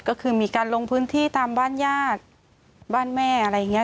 ก็คือมีการลงพื้นที่ตามบ้านญาติบ้านแม่อะไรอย่างนี้